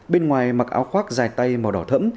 bên ngoài mặc áo khoác dài tay màu đỏ thẫm